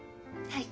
はい。